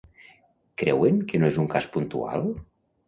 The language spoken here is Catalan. Creuen que no és un cas puntual?